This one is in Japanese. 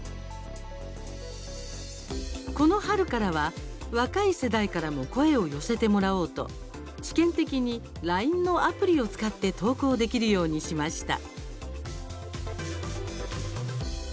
この春からは、若い世代からも声を寄せてもらおうと試験的にＬＩＮＥのアプリを使って投稿できるようにしました。